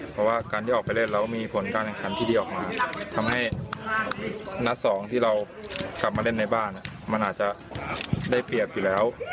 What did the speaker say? เพราะว่าการที่ออกไปเล่นแล้วมีผลการแข่งขันที่ดีออกมาทำให้นัดสองที่เรากลับมาเล่นในบ้านมันอาจจะได้เปรียบอยู่แล้ว